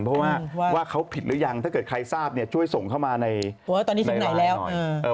เพราะว่าเขาผิดหรือยังถ้าเกิดใครทราบเนี่ยช่วยส่งเข้ามาในแล้วหน่อย